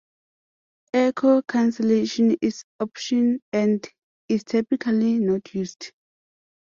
Echo cancellation is optional and is typically not used.